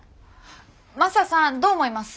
マサさんどう思います？